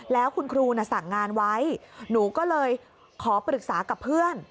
แล้วคุณครูสั่งงานไว้หนูก็เลยขอปรึกษากับเพื่อน